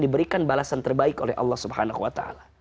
diberikan balasan terbaik oleh allah swt